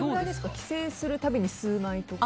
帰省する度、数枚とか？